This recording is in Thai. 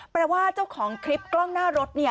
แปลว่าพวกของคลิปกล้องหน้ารถเนี่ย